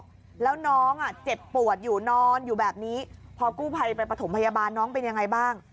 แล้วน้องอ่ะเจ็บปวดอยู่นอนอยู่แบบนี้พอกู้ภัยไปประถมพยาบาลน้องเป็นยังไงบ้าง